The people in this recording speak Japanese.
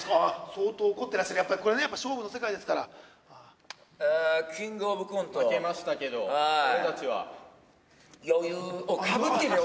相当怒ってらっしゃるこれねやっぱ勝負の世界ですからえーキングオブコント負けましたけど俺たちは余裕かぶってるよ